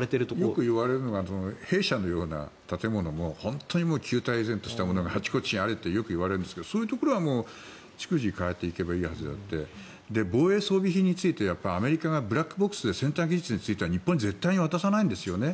よくいわれるのが兵舎のような建物も旧態依然としたものがあちこちにあるといわれるんですがそういうところは逐次変えていけばいいということで防衛装備品についてはアメリカがブラックボックスで先端技術については日本に絶対渡さないんですね。